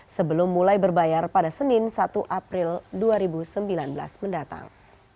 sebelum mulai berbayar pada senin satu april dua ribu sembilan belas mendatang